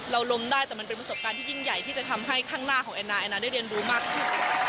ลมได้แต่มันเป็นประสบการณ์ที่ยิ่งใหญ่ที่จะทำให้ข้างหน้าของแอนนาแอนนาได้เรียนรู้มากขึ้น